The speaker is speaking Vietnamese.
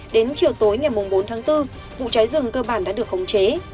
đến chiều tối ngày bốn tháng bốn vụ cháy rừng cơ bản đã được khống chế